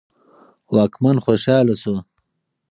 واکمن خوشاله شو.